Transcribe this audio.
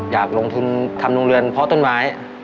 อยากลงทุนทำโรงเรือนเพาะต้นไม้